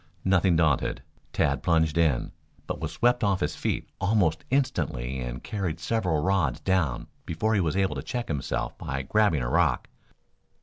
Nothing daunted, Tad plunged in, but was swept off his feet almost instantly and carried several rods down before he was able to check himself by grabbing a rock.